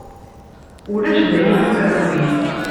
Ulac dayi tafremlit.